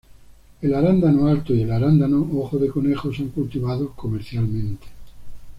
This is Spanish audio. El arándano alto y el arándano ojo de conejo son cultivados comercialmente.